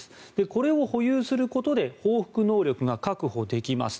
これを保有することで報復能力が確保できます。